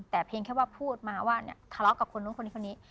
แต่เพียงพูดมาว่าทะเลาะกับคนนี้นะ